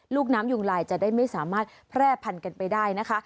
ลูกน้ำยุงลายจะได้ไม่สามารถแพร่พันกันไปได้นะคะ